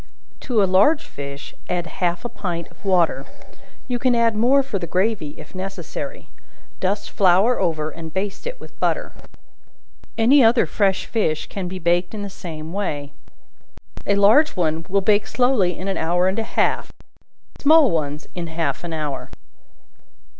To a large fish add half a pint of water; you can add more for the gravy if necessary; dust flour over and baste it with butter. Any other fresh fish can be baked in the same way. A large one will bake slowly in an hour and a half, small ones in half an hour.